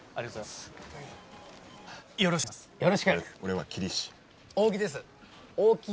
はい。